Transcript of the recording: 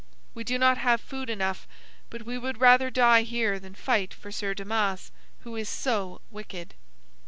We do not have food enough, but we would rather die here than fight for Sir Damas, who is so wicked."